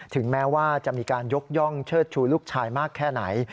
ถึงแม้ว่าจะมีการยกย่องเชิดชูลูกชายมากแค่ไหน